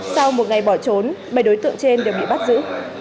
sau một ngày bỏ trốn bảy đối tượng trên đều bị bắt giữ